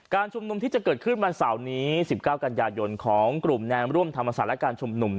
การชุมนมที่จะเกิดขึ้นบรรเสานี้๑๙กัญญาณณ์ของกลุ่มแนวร่วมธรรมศาสน์และการชุมนมเนี่ย